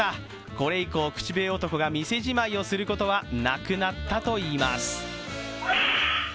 これ以降、口笛男が店じまいをすることはなくなったといいます。